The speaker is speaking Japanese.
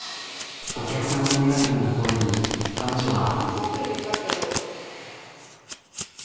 お客さんのネガティブな声に彼女は。